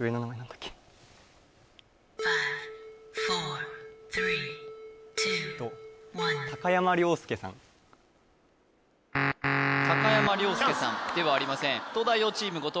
何だっけ高山りょうすけさんではありません東大王チーム後藤弘